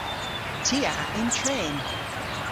Ty a yn tren.